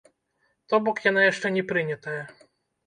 То бок яна яшчэ не прынятая.